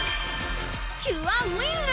キュアウィング！